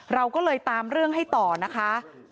เราก็เลยตามเรื่องให้ต่อนะคะ